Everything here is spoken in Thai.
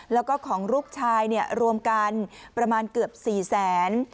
แล้วก็ของลูกชายรวมกันประมาณเกือบ๔แสน